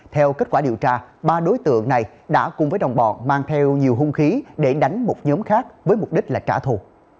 theo kết quả điều tra ba đối tượng này đã cùng với đồng bọn mang theo nhiều hung khí để đánh một nhóm khác với mục đích là trả thù